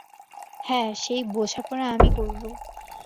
হ্যাঁ সেই বোঝাপড়া আমি করব।